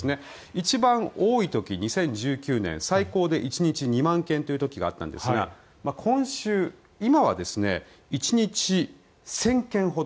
一番多い時、２０１９年最高で１日２万件という時があったんですが今週、今は１日１０００件ほど。